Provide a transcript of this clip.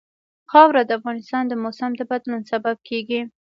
خاوره د افغانستان د موسم د بدلون سبب کېږي.